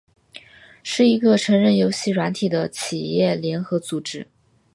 是一个成人游戏软体的企业联合组织。